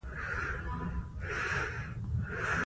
نفت د افغانانو د اړتیاوو د پوره کولو وسیله ده.